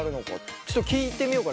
ちょっと聞いてみようかな。